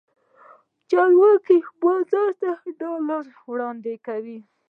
چارواکي بازار ته ډالر وړاندې کوي.